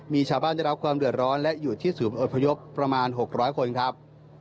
มีชาวบ้านได้รับความเดือดร้อนและอยู่ที่ศูนย์อพยพประมาณ๖๐๐คนครับ